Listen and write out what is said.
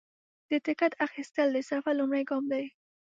د ټکټ اخیستل د سفر لومړی ګام دی.